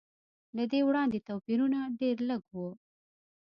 له دې وړاندې توپیرونه ډېر لږ و.